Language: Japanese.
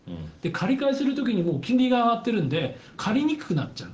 借り換えする時に金利が上がっているので借りにくくなっちゃう。